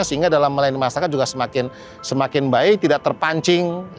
sehingga dalam melayani masyarakat juga semakin baik tidak terpancing